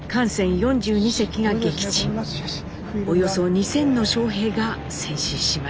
およそ２，０００の将兵が戦死しました。